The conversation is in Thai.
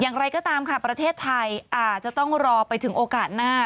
อย่างไรก็ตามค่ะประเทศไทยอาจจะต้องรอไปถึงโอกาสหน้า